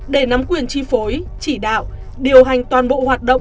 để nắm quyền chi phối chỉ đạo điều hành toàn bộ hoạt động